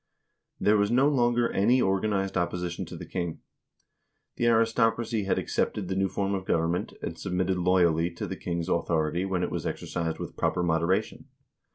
There was no longer any organized opposition to the king. The aristocracy had accepted the new form of government, and submitted loyally to the king's authority when it was exercised with proper moderation.